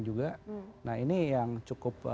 juga nah ini yang cukup